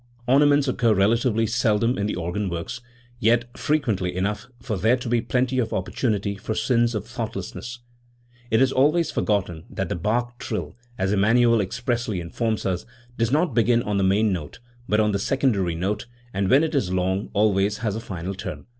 Ornaments occur relatively seldom in the organ works, yet frequently enough for there to be plenty of opportun ities for sins of thoughtlessness*. It is always forgotten that the Bach trill, as Emmanuel expressly informs us, does not begin on the main note but on the secondary note, and, when it is long, always has a final turn.